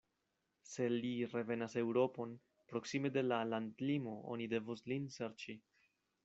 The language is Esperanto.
Se li revenas Eŭropon, proksime de la landlimo oni devos lin serĉi.